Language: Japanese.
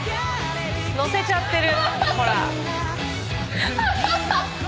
乗せちゃってる。